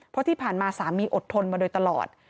เพราะที่ผ่านมาสามีอดทนมาโดยตลอด